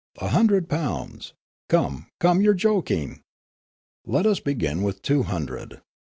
A hundred pounds! Come, come, you are jok ing. Let us begin with two hundred.